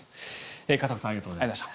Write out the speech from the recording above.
片岡さんありがとうございました。